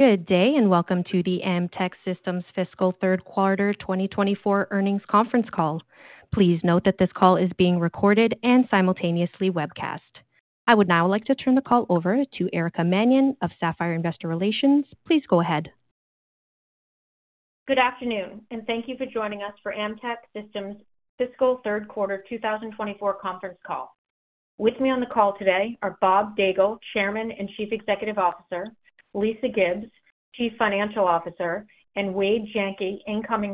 Good day, and Welcome to the Amtech Systems Fiscal Third Quarter 2024 Earnings Conference Call. Please note that this call is being recorded and simultaneously webcast. I would now like to turn the call over to Erica Mannion of Sapphire Investor Relations. Please go ahead. Good afternoon, and thank you for joining us for Amtech Systems Fiscal Third Quarter 2024 Conference Call. With me on the call today are Bob Daigle, Chairman and Chief Executive Officer, Lisa Gibbs, Chief Financial Officer, and Wade Jenke, Incoming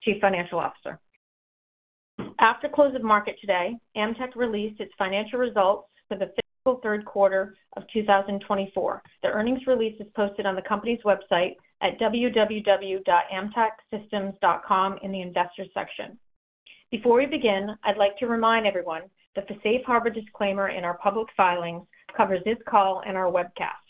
Chief Financial Officer. After close of market today, Amtech released its financial results for the fiscal third quarter of 2024. The earnings release is posted on the company's website at www.amtechsystems.com in the Investors section. Before we begin, I'd like to remind everyone that the safe harbor disclaimer in our public filings covers this call and our webcast.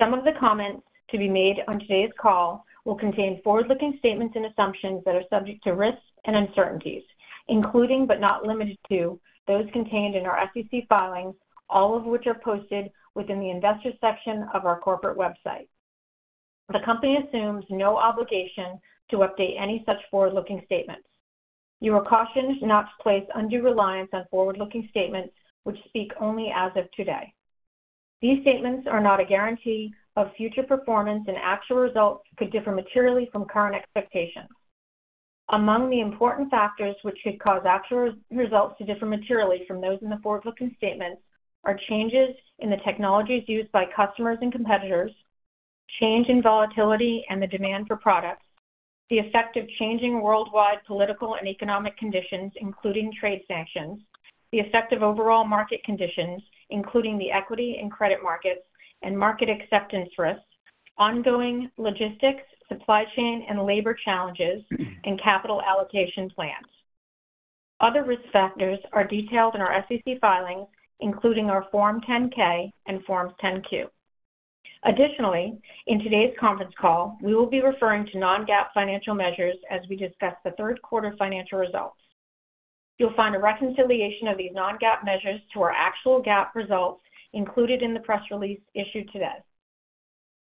Some of the comments to be made on today's call will contain forward-looking statements and assumptions that are subject to risks and uncertainties, including, but not limited to, those contained in our SEC filings, all of which are posted within the Investors section of our corporate website. The company assumes no obligation to update any such forward-looking statements. You are cautioned not to place undue reliance on forward-looking statements which speak only as of today. These statements are not a guarantee of future performance, and actual results could differ materially from current expectations. Among the important factors which could cause actual results to differ materially from those in the forward-looking statements are changes in the technologies used by customers and competitors, change in volatility and the demand for products, the effect of changing worldwide political and economic conditions, including trade sanctions, the effect of overall market conditions, including the equity and credit markets and market acceptance risks, ongoing logistics, supply chain and labor challenges, and capital allocation plans. Other risk factors are detailed in our SEC filings, including our Form 10-K and Form 10-Q. Additionally, in today's conference call, we will be referring to non-GAAP financial measures as we discuss the third quarter financial results. You'll find a reconciliation of these non-GAAP measures to our actual GAAP results included in the press release issued today.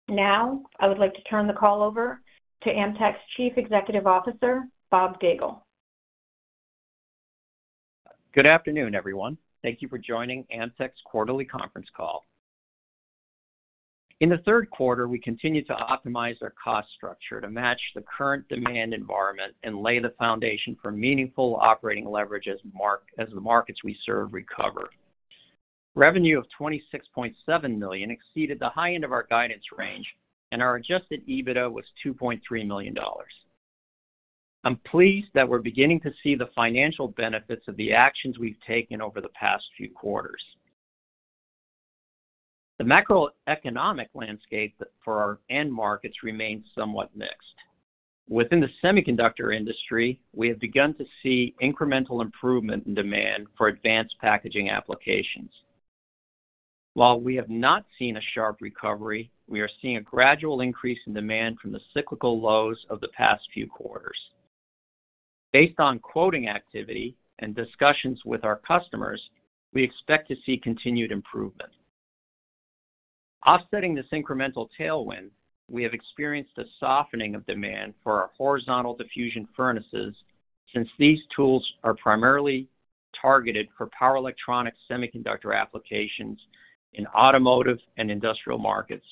Now, I would like to turn the call over to Amtech's Chief Executive Officer, Bob Daigle. Good afternoon, everyone. Thank you for joining Amtech's quarterly conference call. In the third quarter, we continued to optimize our cost structure to match the current demand environment and lay the foundation for meaningful operating leverage as the markets we serve recover. Revenue of $26.7 million exceeded the high end of our guidance range, and our adjusted EBITDA was $2.3 million. I'm pleased that we're beginning to see the financial benefits of the actions we've taken over the past few quarters. The macroeconomic landscape for our end markets remains somewhat mixed. Within the semiconductor industry, we have begun to see incremental improvement in demand for advanced packaging applications. While we have not seen a sharp recovery, we are seeing a gradual increase in demand from the cyclical lows of the past few quarters. Based on quoting activity and discussions with our customers, we expect to see continued improvement. Offsetting this incremental tailwind, we have experienced a softening of demand for our horizontal diffusion furnaces since these tools are primarily targeted for power electronic semiconductor applications in automotive and industrial markets.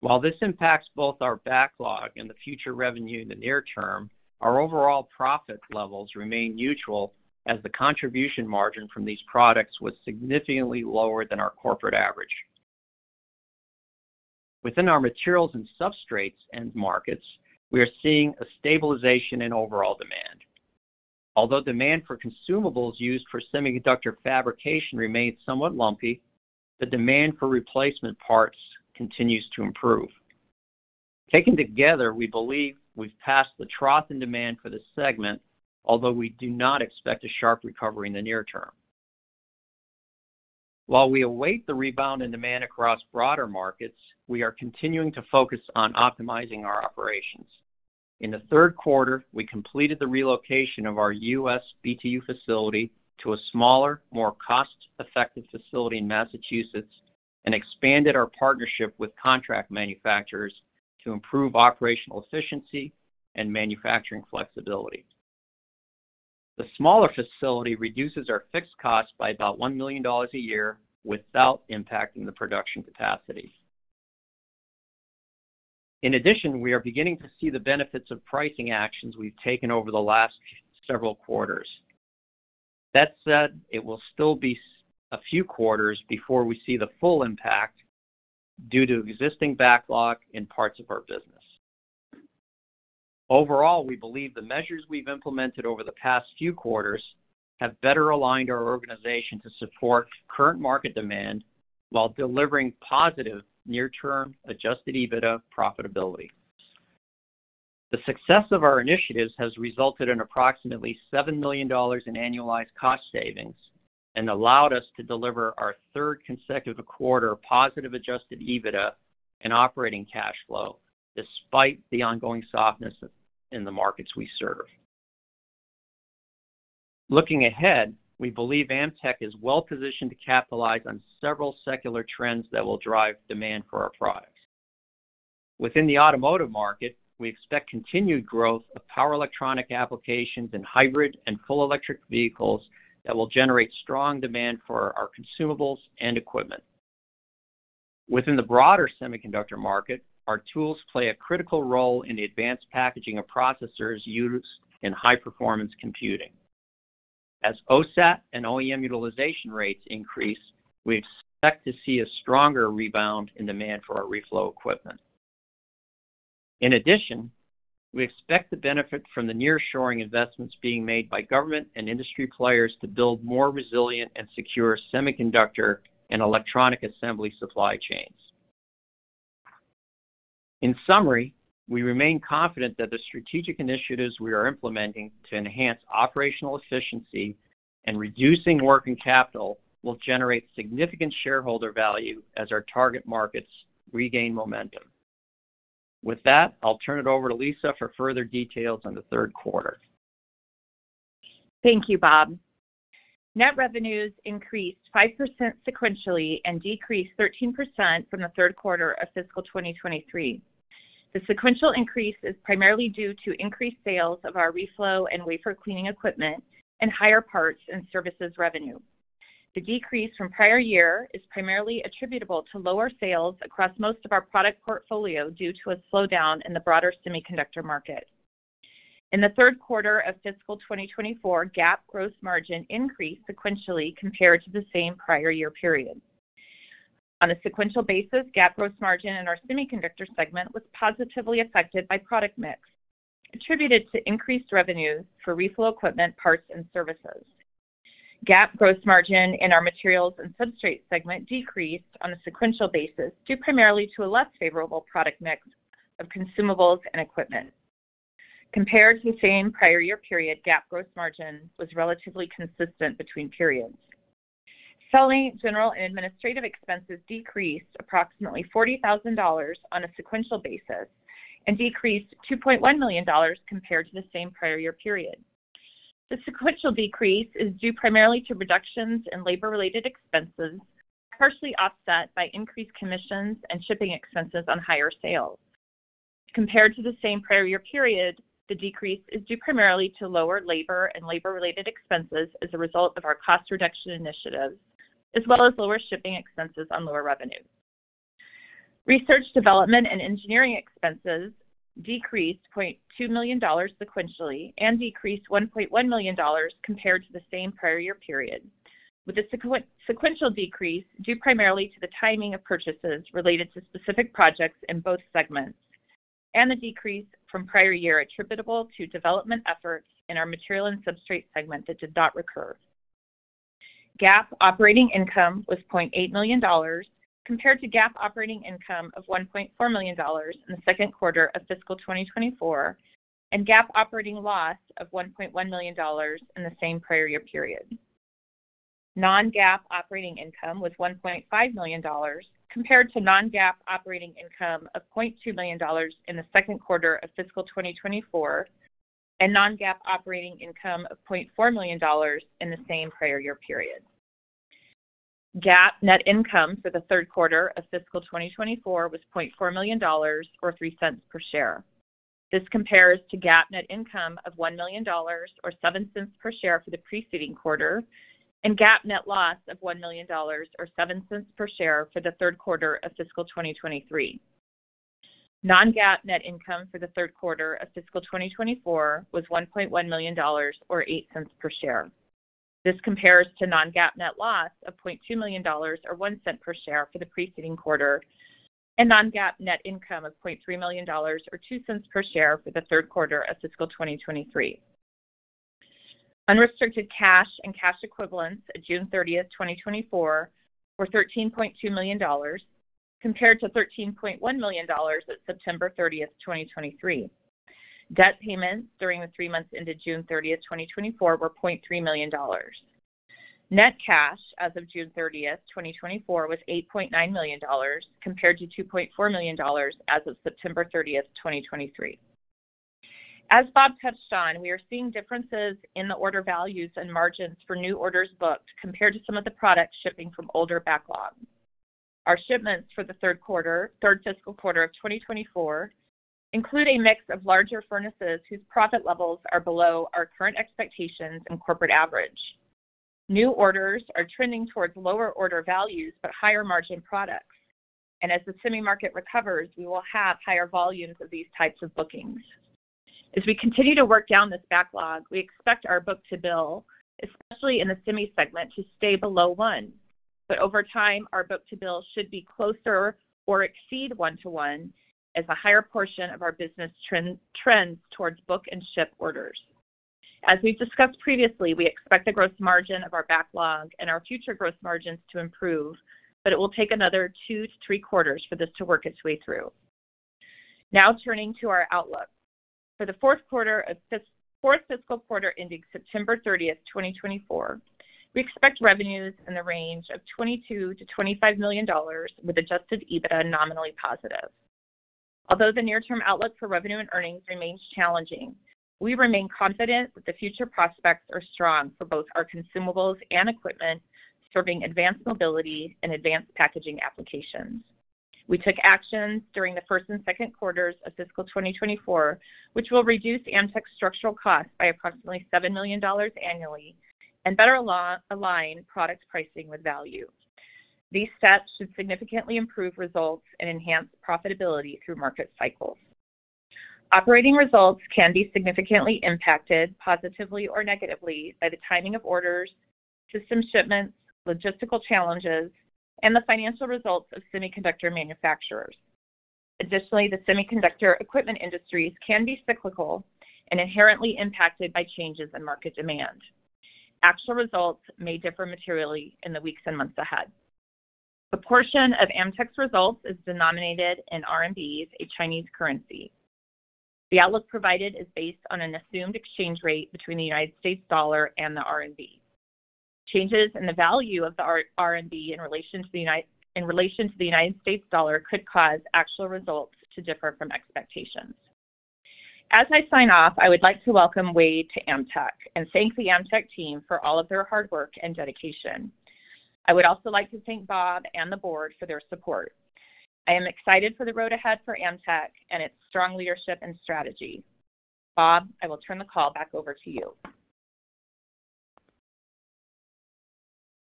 While this impacts both our backlog and the future revenue in the near term, our overall profit levels remain neutral, as the contribution margin from these products was significantly lower than our corporate average. Within our materials and substrates end markets, we are seeing a stabilization in overall demand. Although demand for consumables used for semiconductor fabrication remains somewhat lumpy, the demand for replacement parts continues to improve. Taken together, we believe we've passed the trough in demand for this segment, although we do not expect a sharp recovery in the near term. While we await the rebound in demand across broader markets, we are continuing to focus on optimizing our operations. In the third quarter, we completed the relocation of our US BTU facility to a smaller, more cost-effective facility in Massachusetts and expanded our partnership with contract manufacturers to improve operational efficiency and manufacturing flexibility. The smaller facility reduces our fixed costs by about $1 million a year without impacting the production capacity. In addition, we are beginning to see the benefits of pricing actions we've taken over the last several quarters. That said, it will still be a few quarters before we see the full impact due to existing backlog in parts of our business. Overall, we believe the measures we've implemented over the past few quarters have better aligned our organization to support current market demand while delivering positive near-term adjusted EBITDA profitability. The success of our initiatives has resulted in approximately $7 million in annualized cost savings and allowed us to deliver our third consecutive quarter positive adjusted EBITDA and operating cash flow, despite the ongoing softness in the markets we serve. Looking ahead, we believe Amtech is well-positioned to capitalize on several secular trends that will drive demand for our products. Within the automotive market, we expect continued growth of power electronic applications in hybrid and full electric vehicles that will generate strong demand for our consumables and equipment. Within the broader semiconductor market, our tools play a critical role in the advanced packaging of processors used in high-performance computing. As OSAT and OEM utilization rates increase, we expect to see a stronger rebound in demand for our reflow equipment. In addition, we expect the benefit from the nearshoring investments being made by government and industry players to build more resilient and secure semiconductor and electronic assembly supply chains. In summary, we remain confident that the strategic initiatives we are implementing to enhance operational efficiency and reducing working capital will generate significant shareholder value as our target markets regain momentum. With that, I'll turn it over to Lisa for further details on the third quarter. Thank you, Bob. Net revenues increased 5% sequentially and decreased 13% from the third quarter of fiscal 2023. The sequential increase is primarily due to increased sales of our reflow and wafer cleaning equipment and higher parts and services revenue. The decrease from prior year is primarily attributable to lower sales across most of our product portfolio due to a slowdown in the broader semiconductor market. In the third quarter of fiscal 2024, GAAP gross margin increased sequentially compared to the same prior year period. On a sequential basis, GAAP gross margin in our semiconductor segment was positively affected by product mix, contributed to increased revenues for reflow equipment, parts, and services. GAAP gross margin in our materials and substrate segment decreased on a sequential basis, due primarily to a less favorable product mix of consumables and equipment. Compared to the same prior year period, GAAP gross margin was relatively consistent between periods. Selling, general, and administrative expenses decreased approximately $40,000 on a sequential basis and decreased $2.1 million compared to the same prior year period. The sequential decrease is due primarily to reductions in labor-related expenses, partially offset by increased commissions and shipping expenses on higher sales. Compared to the same prior year period, the decrease is due primarily to lower labor and labor-related expenses as a result of our cost reduction initiatives, as well as lower shipping expenses on lower revenues. Research, development, and engineering expenses decreased $0.2 million sequentially and decreased $1.1 million compared to the same prior year period, with the sequential decrease due primarily to the timing of purchases related to specific projects in both segments, and the decrease from prior year attributable to development efforts in our material and substrate segment that did not recur. GAAP operating income was $0.8 million, compared to GAAP operating income of $1.4 million in the second quarter of fiscal 2024, and GAAP operating loss of $1.1 million in the same prior year period. Non-GAAP operating income was $1.5 million, compared to non-GAAP operating income of $0.2 million in the second quarter of fiscal 2024, and non-GAAP operating income of $0.4 million in the same prior year period. GAAP net income for the third quarter of fiscal 2024 was $0.4 million, or 3 cents per share. This compares to GAAP net income of $1 million, or 7 cents per share for the preceding quarter, and GAAP net loss of $1 million, or 7 cents per share for the third quarter of fiscal 2023. Non-GAAP net income for the third quarter of fiscal 2024 was $1.1 million, or 8 cents per share. This compares to non-GAAP net loss of $0.2 million, or 1 cent per share for the preceding quarter, and non-GAAP net income of $0.3 million, or 2 cents per share for the third quarter of fiscal 2023. Unrestricted cash and cash equivalents at June 30, 2024, were $13.2 million, compared to $13.1 million at September 30, 2023. Debt payments during the three months ended June 30, 2024, were $0.3 million. Net cash as of June 30, 2024, was $8.9 million, compared to $2.4 million as of September 30, 2023. As Bob touched on, we are seeing differences in the order values and margins for new orders booked compared to some of the products shipping from older backlogs. Our shipments for the third fiscal quarter of 2024 include a mix of larger furnaces whose profit levels are below our current expectations and corporate average. New orders are trending towards lower order values but higher-margin products, and as the semi market recovers, we will have higher volumes of these types of bookings. As we continue to work down this backlog, we expect our book-to-bill, especially in the semi segment, to stay below 1. But over time, our book-to-bill should be closer or exceed 1:1 as a higher portion of our business trends towards book and ship orders. As we've discussed previously, we expect the gross margin of our backlog and our future growth margins to improve, but it will take another 2-3 quarters for this to work its way through. Now, turning to our outlook. For the fourth fiscal quarter, ending September 30, 2024, we expect revenues in the range of $22 million-$25 million, with adjusted EBITDA nominally positive. Although the near-term outlook for revenue and earnings remains challenging, we remain confident that the future prospects are strong for both our consumables and equipment, serving advanced mobility and advanced packaging applications. We took actions during the first and second quarters of fiscal 2024, which will reduce Amtech's structural costs by approximately $7 million annually and better align product pricing with value. These steps should significantly improve results and enhance profitability through market cycles. Operating results can be significantly impacted, positively or negatively, by the timing of orders, system shipments, logistical challenges, and the financial results of semiconductor manufacturers. Additionally, the semiconductor equipment industries can be cyclical and inherently impacted by changes in market demand. Actual results may differ materially in the weeks and months ahead. A portion of Amtech's results is denominated in RMBs, a Chinese currency. The outlook provided is based on an assumed exchange rate between the United States dollar and the RMB. Changes in the value of the RMB in relation to the United States dollar could cause actual results to differ from expectations. As I sign off, I would like to welcome Wade to Amtech, and thank the Amtech team for all of their hard work and dedication. I would also like to thank Bob and the board for their support. I am excited for the road ahead for Amtech and its strong leadership and strategy. Bob, I will turn the call back over to you.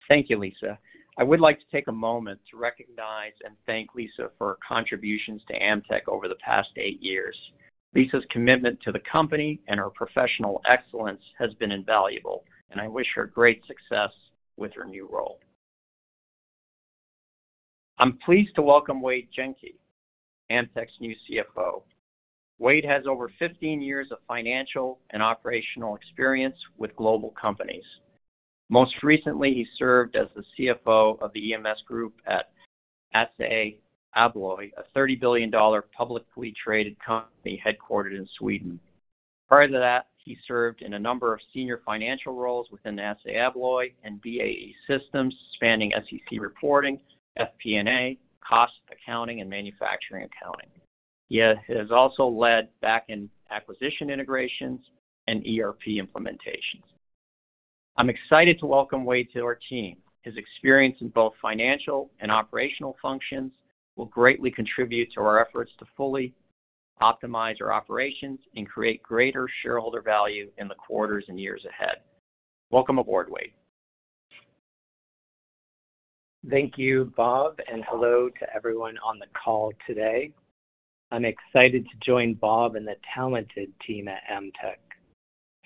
Thank you, Lisa. I would like to take a moment to recognize and thank Lisa for her contributions to Amtech over the past 8 years. Lisa's commitment to the company and her professional excellence has been invaluable, and I wish her great success with her new role. I'm pleased to welcome Wade Jenke, Amtech's new CFO. Wade has over 15 years of financial and operational experience with global companies. Most recently, he served as the CFO of the EMS Group at Assa Abloy, a $30 billion publicly traded company headquartered in Sweden. Prior to that, he served in a number of senior financial roles within Assa Abloy and BAE Systems, spanning SEC reporting, FP&A, cost accounting, and manufacturing accounting. He has also led back in acquisition integrations and ERP implementations. I'm excited to welcome Wade to our team. His experience in both financial and operational functions will greatly contribute to our efforts to fully optimize our operations and create greater shareholder value in the quarters and years ahead. Welcome aboard, Wade. Thank you, Bob, and hello to everyone on the call today. I'm excited to join Bob and the talented team at Amtech.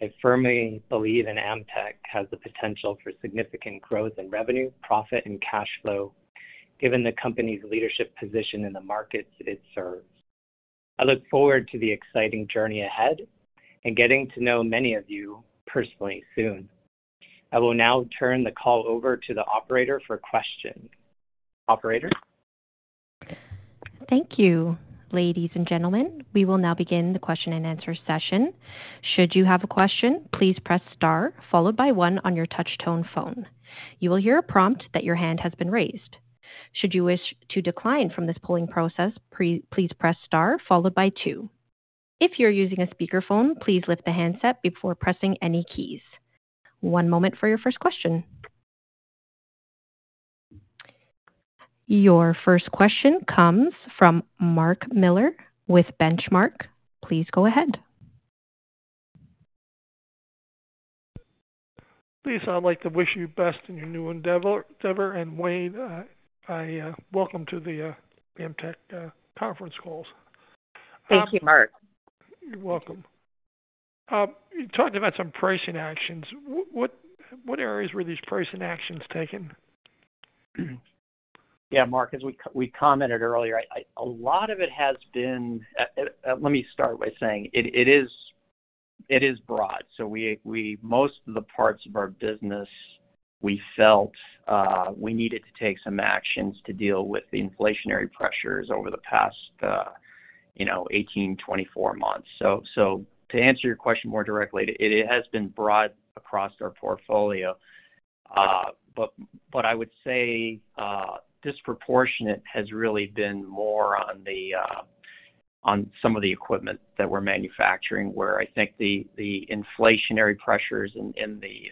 I firmly believe Amtech has the potential for significant growth in revenue, profit, and cash flow, given the company's leadership position in the markets it serves. I look forward to the exciting journey ahead and getting to know many of you personally soon. I will now turn the call over to the operator for questions. Operator? Thank you. Ladies and gentlemen, we will now begin the question-and-answer session. Should you have a question, please press star followed by one on your touch tone phone. You will hear a prompt that your hand has been raised. Should you wish to decline from this polling process, please press star followed by two. If you're using a speakerphone, please lift the handset before pressing any keys. One moment for your first question. Your first question comes from Mark Miller with Benchmark. Please go ahead. Lisa, I'd like to wish you best in your new endeavor, and Wade, I welcome to the Amtech conference calls. Thank you, Mark. You're welcome. You talked about some pricing actions. What areas were these pricing actions taken? Yeah, Mark, as we commented earlier, a lot of it has been... Let me start by saying it, it is, it is broad. So most of the parts of our business, we felt, we needed to take some actions to deal with the inflationary pressures over the past, you know, 18, 24 months. So to answer your question more directly, it has been broad across our portfolio. But I would say, disproportionate has really been more on the, on some of the equipment that we're manufacturing, where I think the inflationary pressures in the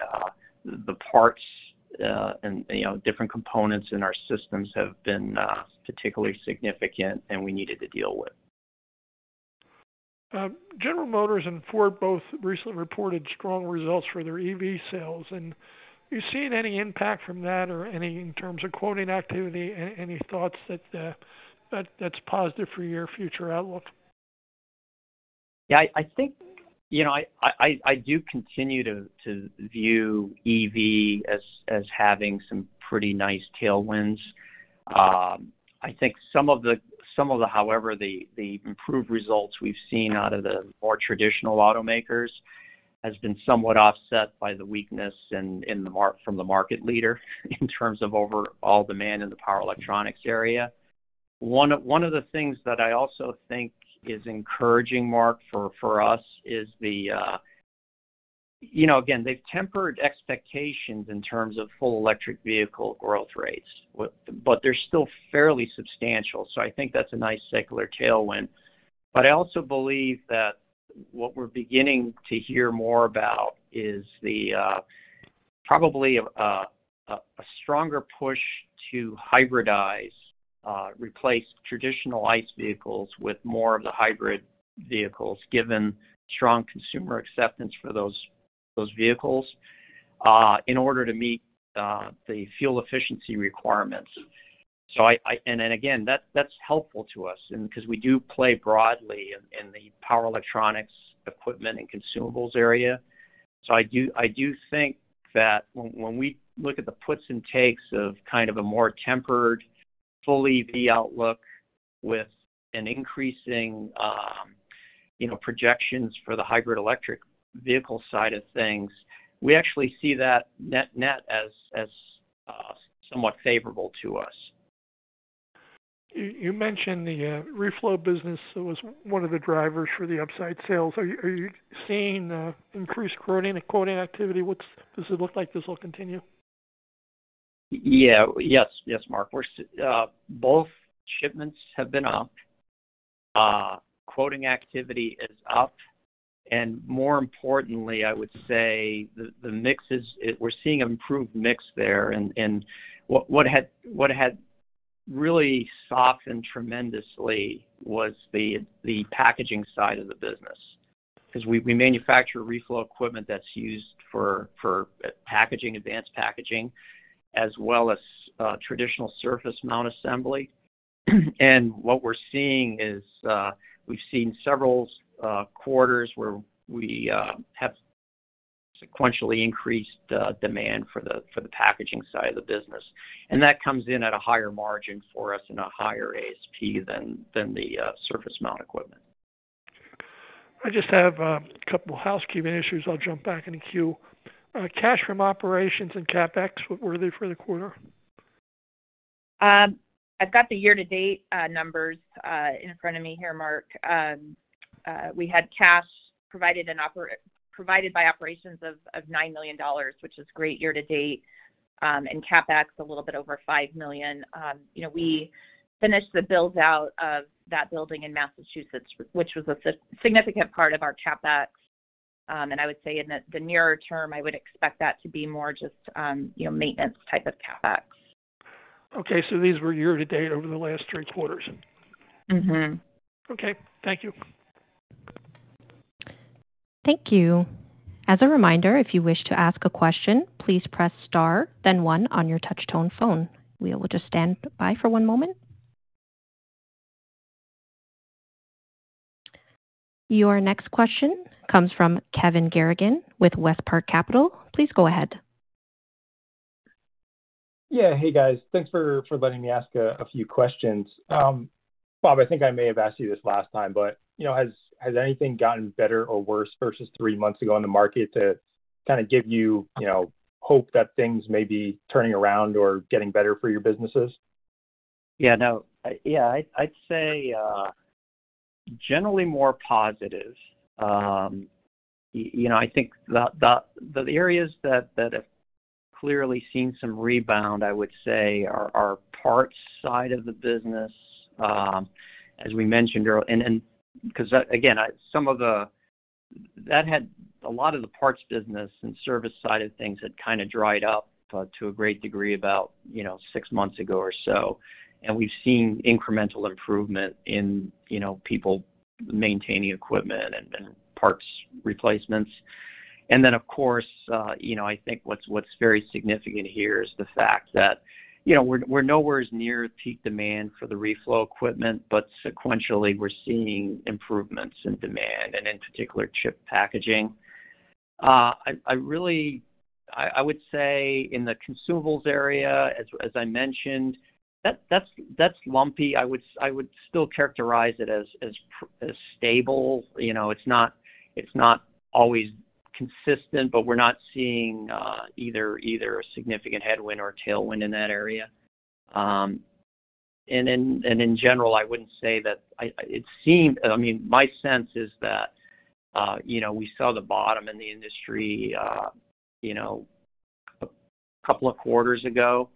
parts and, you know, different components in our systems have been particularly significant and we needed to deal with. General Motors and Ford both recently reported strong results for their EV sales, and are you seeing any impact from that or any, in terms of quoting activity, any thoughts that, that, that's positive for your future outlook? Yeah, I think, you know, I do continue to view EV as having some pretty nice tailwinds. I think some of the however, the improved results we've seen out of the more traditional automakers has been somewhat offset by the weakness from the market leader in terms of overall demand in the power electronics area. One of the things that I also think is encouraging, Mark, for us, is... You know, again, they've tempered expectations in terms of full electric vehicle growth rates, but they're still fairly substantial, so I think that's a nice secular tailwind. But I also believe that what we're beginning to hear more about is the probably a stronger push to hybridize, replace traditional ICE vehicles with more of the hybrid vehicles, given strong consumer acceptance for those, those vehicles, in order to meet the fuel efficiency requirements. So and then again, that's helpful to us, and, because we do play broadly in the power electronics equipment and consumables area. So I do think that when we look at the puts and takes of kind of a more tempered, fully EV outlook with an increasing, you know, projections for the hybrid electric vehicle side of things, we actually see that net-net as somewhat favorable to us. You mentioned the reflow business was one of the drivers for the upside sales. Are you seeing increased quoting activity? Does it look like this will continue? Yeah. Yes, yes, Mark. We're both shipments have been up. Quoting activity is up, and more importantly, I would say the mix is, we're seeing improved mix there. And what had really softened tremendously was the packaging side of the business, because we manufacture reflow equipment that's used for packaging, advanced packaging, as well as traditional surface mount assembly. And what we're seeing is, we've seen several quarters where we have sequentially increased demand for the packaging side of the business, and that comes in at a higher margin for us and a higher ASP than the surface mount equipment. I just have a couple of housekeeping issues. I'll jump back in the queue. Cash from operations and CapEx, what were they for the quarter? I've got the year-to-date numbers in front of me here, Mark. We had cash provided by operations of $9 million, which is great year-to-date, and CapEx a little bit over $5 million. You know, we finished the build-out of that building in Massachusetts, which was a significant part of our CapEx. And I would say in the nearer term, I would expect that to be more just, you know, maintenance type of CapEx. Okay, so these were year to date over the last three quarters? Mm-hmm. Okay, thank you. Thank you. As a reminder, if you wish to ask a question, please press Star, then one on your touchtone phone. We will just stand by for one moment. Your next question comes from Kevin Garrigan with WestPark Capital. Please go ahead. Yeah. Hey, guys. Thanks for letting me ask a few questions. Bob, I think I may have asked you this last time, but, you know, has anything gotten better or worse versus three months ago in the market to kind of give you, you know, hope that things may be turning around or getting better for your businesses? Yeah, no. Yeah, I'd, I'd say generally more positive. You know, I think the areas that have clearly seen some rebound, I would say, are parts side of the business, as we mentioned earlier. And then, because again, some of the... that had a lot of the parts business and service side of things had kind of dried up to a great degree about, you know, six months ago or so. And we've seen incremental improvement in, you know, people maintaining equipment and parts replacements. And then, of course, you know, I think what's very significant here is the fact that, you know, we're nowhere near peak demand for the reflow equipment, but sequentially, we're seeing improvements in demand and in particular, chip packaging. I really would say in the consumables area, as I mentioned, that's lumpy. I would still characterize it as stable. You know, it's not always consistent, but we're not seeing either a significant headwind or tailwind in that area. And in general, I wouldn't say that it seemed... I mean, my sense is that, you know, we saw the bottom in the industry, you know, a couple of quarters ago,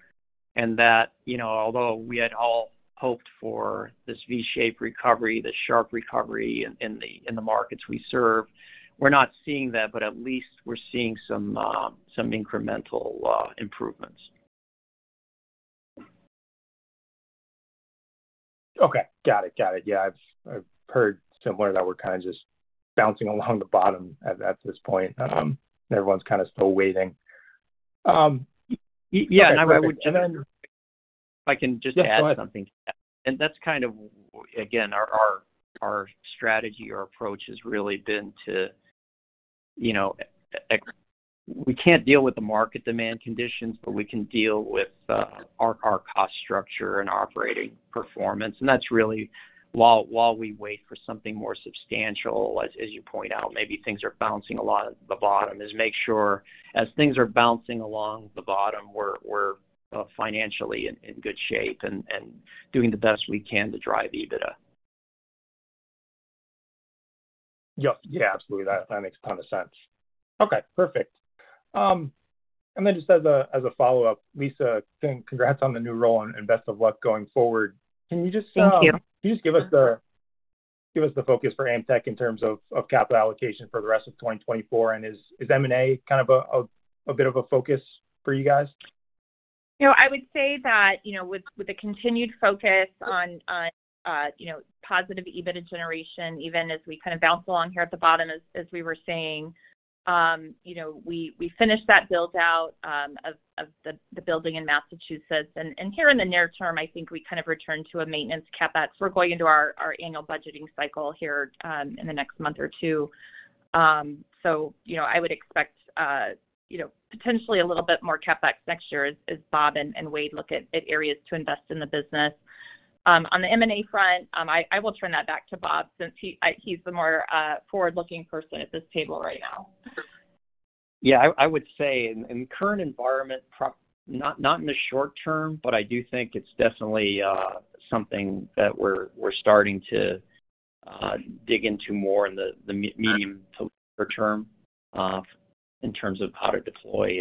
and that, you know, although we had all hoped for this V-shaped recovery, the sharp recovery in the markets we serve, we're not seeing that, but at least we're seeing some some incremental improvements. Okay. Got it. Got it. Yeah, I've heard similar, that we're kind of just bouncing along the bottom at this point. Everyone's kind of still waiting. Yeah, and I would- And then- If I can just add something. Yeah, go ahead. And that's kind of, again, our strategy or approach has really been to, you know, we can't deal with the market demand conditions, but we can deal with our cost structure and operating performance. And that's really while we wait for something more substantial, as you point out, maybe things are bouncing a lot at the bottom, is make sure as things are bouncing along the bottom, we're financially in good shape and doing the best we can to drive EBITDA.... Yep. Yeah, absolutely. That makes a ton of sense. Okay, perfect. And then just as a follow-up, Lisa, congrats on the new role and best of luck going forward. Can you just, Thank you. Can you just give us the focus for Amtech in terms of capital allocation for the rest of 2024? And is M&A kind of a bit of a focus for you guys? You know, I would say that, you know, with the continued focus on, you know, positive EBITDA generation, even as we kind of bounce along here at the bottom, as we were saying, you know, we finished that build-out of the building in Massachusetts. And here in the near term, I think we kind of return to a maintenance CapEx. We're going into our annual budgeting cycle here, in the next month or two. So, you know, I would expect, you know, potentially a little bit more CapEx next year as Bob and Wade look at areas to invest in the business. On the M&A front, I will turn that back to Bob, since he's the more forward-looking person at this table right now. Yeah, I would say in the current environment, not in the short term, but I do think it's definitely something that we're starting to dig into more in the medium to longer term, in terms of how to deploy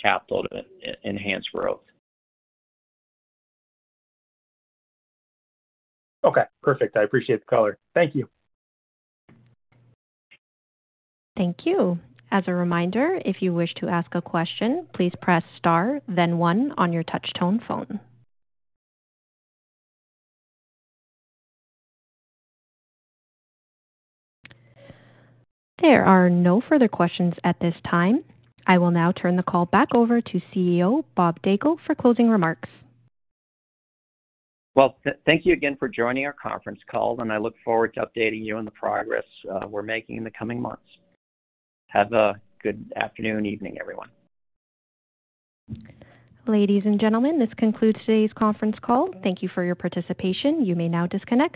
capital to enhance growth. Okay, perfect. I appreciate the color. Thank you. Thank you. As a reminder, if you wish to ask a question, please press star then one on your touch tone phone. There are no further questions at this time. I will now turn the call back over to CEO, Bob Daigle, for closing remarks. Well, thank you again for joining our conference call, and I look forward to updating you on the progress we're making in the coming months. Have a good afternoon, evening, everyone. Ladies and gentlemen, this concludes today's conference call. Thank you for your participation. You may now disconnect.